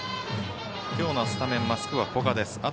今日のスタメンマスクは古賀です。